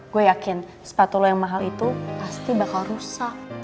gue yakin sepatu lo yang mahal itu pasti bakal rusak